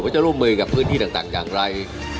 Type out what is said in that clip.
จะร่วมมือกับพื้นที่ต่างอย่างไร